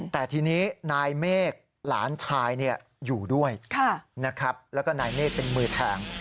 แต่ทีนี้นายเมฆหลานชายอยู่ด้วยนะครับแล้วก็นายเมฆเป็นมือแทง